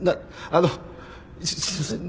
あのすいません